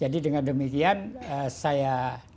jadi dengan demikian saya